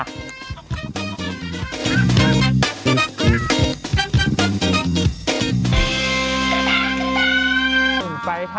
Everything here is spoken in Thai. สุดยอดไปค่ะ